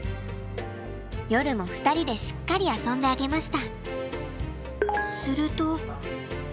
夜も２人でしっかり遊んであげました。